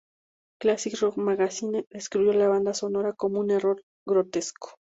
Classic Rock Magazine describió la banda sonora como "un error grotesco".